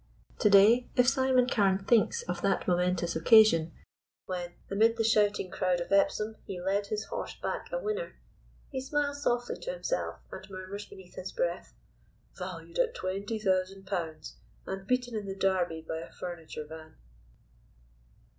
To day, if Simon Carne thinks of that momentous occasion when, amid the shouting crowd of Epsom, he led his horse back a winner, he smiles softly to himself and murmurs beneath his breath: "Valued at twenty thousand pounds, and beaten in the Derby by a furniture van."